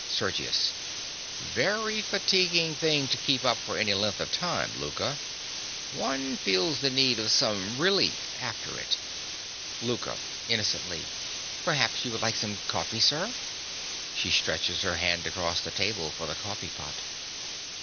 SERGIUS. Very fatiguing thing to keep up for any length of time, Louka. One feels the need of some relief after it. LOUKA. (innocently). Perhaps you would like some coffee, sir? (_She stretches her hand across the table for the coffee pot.